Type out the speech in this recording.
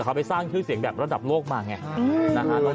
เขาไปสร้างชื่อเสียงแบบระดับโลกมาไงนะฮะ